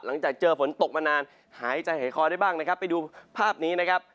หลังจากเจอฝนตกมานานหายใจหายคอได้บ้างนะครับไปดูภาพนี้นะครับ